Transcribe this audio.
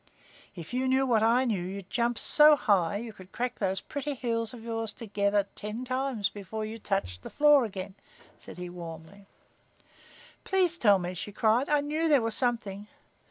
"If you knew what I know you'd jump so high you could crack those pretty heels of yours together ten times before you touched the floor again," said he, warmly. "Please tell me," she cried. "I knew there was something."